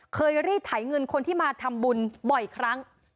รีดไถเงินคนที่มาทำบุญบ่อยครั้ง